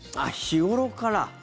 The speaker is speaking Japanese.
日頃から。